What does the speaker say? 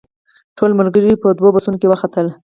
ټول ملګري په دوو بسونو کې وختل.